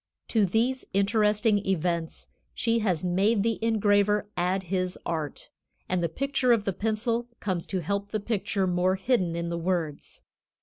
To these interesting events she has made the engraver add his art, and the picture of the pencil comes to help the picture more hidden in the words.